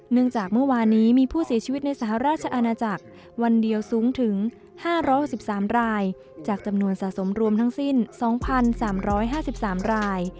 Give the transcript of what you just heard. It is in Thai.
จากเมื่อวานนี้มีผู้เสียชีวิตในสหราชอาณาจักรวันเดียวสูงถึง๕๖๓รายจากจำนวนสะสมรวมทั้งสิ้น๒๓๕๓ราย